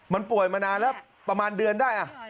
มันป่วยมานานแล้วประมาณเดือนได้